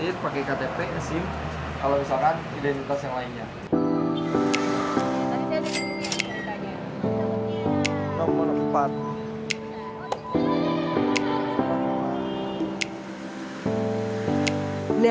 tapi esim kalau misalkan tidak ada yang lintas yang lainnya